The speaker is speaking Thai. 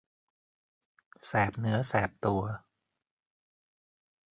แสบเนื้อแสบตัว